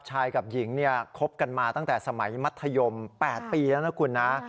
กับหญิงเนี่ยคบกันมาตั้งแต่สมัยมัธยม๘ปีแล้วนะคุณนะ